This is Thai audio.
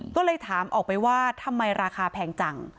ก็เลยถามออกไปว่าทำไมราคาแพงจัง